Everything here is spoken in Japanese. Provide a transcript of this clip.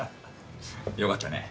よかったね。